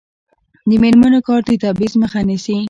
د میرمنو کار د تبعیض مخه نیسي.